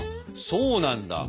そうなんだ。